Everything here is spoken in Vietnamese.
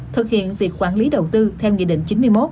thực hiện việc quản lý đầu tư theo nghị định chín mươi một